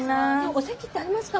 お席ってありますか？